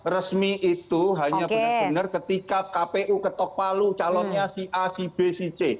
resmi itu hanya benar benar ketika kpu ketok palu calonnya si a si b si c